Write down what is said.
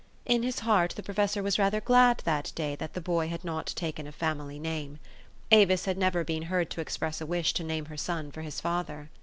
In his heart the professor was rather glad that day, that the boy had not taken a family name. Avis had never been heard to express a wish to name her son for his father.